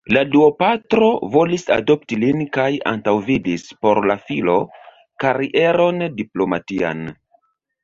La duopatro volis adopti lin kaj antaŭvidis por la filo karieron diplomatian.